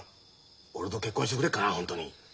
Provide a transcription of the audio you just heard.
俺と結婚してくれっかなホントに。